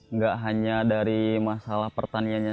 nggak hanya dari masalah pertaniannya